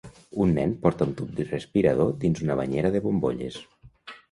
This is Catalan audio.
Un nen porta un tub respirador dins d'una banyera de bombolles